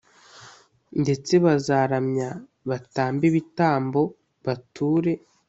ndetse bazaramya batambe ibitambo bature